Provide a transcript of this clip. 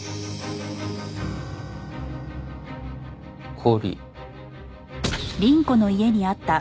氷。